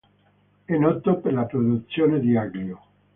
È noto per la produzione di aglio.